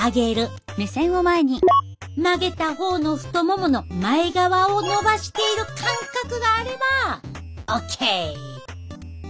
曲げた方の太ももの前側をのばしている感覚があればオッケー！